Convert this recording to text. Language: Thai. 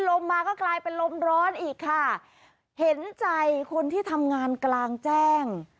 ลมมาก็กลายเป็นลมร้อนอีกค่ะเห็นใจคนที่ทำงานกลางแจ้ง